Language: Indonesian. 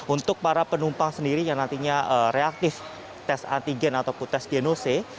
untuk para penumpang sendiri yang nantinya reaktif tes antigen ataupun tes genose